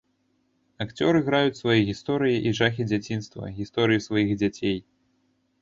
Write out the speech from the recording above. Акцёры граюць свае гісторыі і жахі дзяцінства, гісторыі сваіх дзяцей.